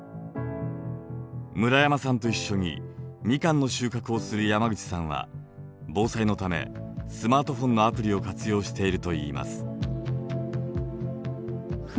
村山さんと一緒にミカンの収穫をする山口さんは防災のためスマートフォンのアプリを活用しているといいます。